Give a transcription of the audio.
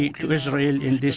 kepada israel dalam hal ini